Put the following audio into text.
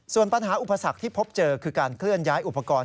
ส่วนปัญหาอุปสรรคที่พบเจอคือการเคลื่อนย้ายอุปกรณ์